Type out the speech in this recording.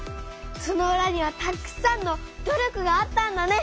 そのうらにはたくさんの努力があったんだね！